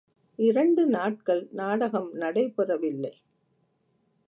இரண்டு நாட்கள் நாடகம் நடைபெறவில்லை.